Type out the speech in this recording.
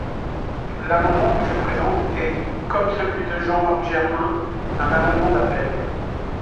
L’amendement que je présente est, comme celui de Jean-Marc Germain, un amendement d’appel.